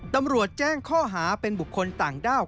ตำรวจแจ้งข้อหาเป็นบุคคลต่างด้าว